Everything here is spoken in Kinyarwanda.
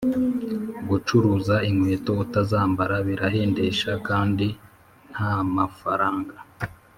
Gucuruza inkweto utazambara birahendesha kandi ntamafaranga